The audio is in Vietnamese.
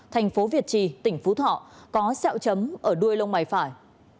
tp việt trì tỉnh phú thọ có xẹo chấm ở đuôi lông mày phải